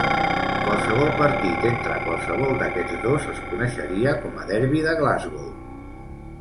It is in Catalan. Qualsevol partit entre qualsevol d'aquests dos es coneixeria com a derbi de Glasgow.